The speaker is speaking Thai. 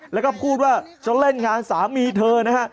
แล้วก็พูดว่าจะเล่นงานสามีเธอนะฮะ